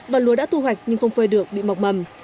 và lúa đã thu hoạch nhưng không phơi được bị mọc mầm